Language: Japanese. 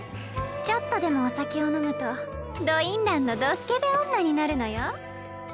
ちょっとでもお酒を飲むとど淫乱のどスケベ女になるのよ。